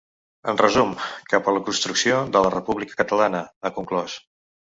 En resum, cap a la construcció de la república catalana, ha conclòs.